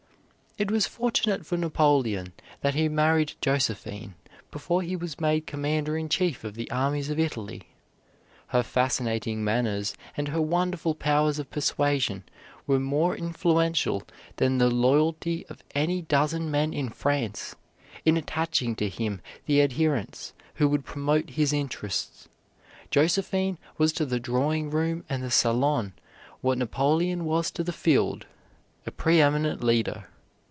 It was fortunate for Napoleon that he married Josephine before he was made commander in chief of the armies of Italy. Her fascinating manners and her wonderful powers of persuasion were more influential than the loyalty of any dozen men in France in attaching to him the adherents who would promote his interests. Josephine was to the drawing room and the salon what Napoleon was to the field a preeminent leader.